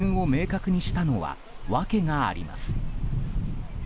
基準を明確にしたのは訳があります。